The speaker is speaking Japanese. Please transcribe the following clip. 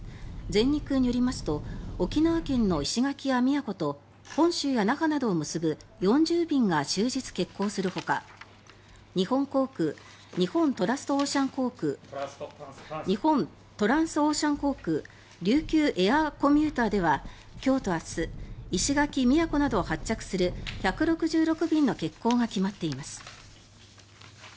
全日空によりますと沖縄県の石垣や宮古と本州や那覇などを結ぶ４０便が終日欠航するほか日本航空日本トランスオーシャン航空琉球エアーコミューターでは今日と明日石垣、宮古などを発着する１６６便の欠航が決まっています。